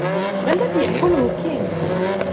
ما الذي يأكله كين ؟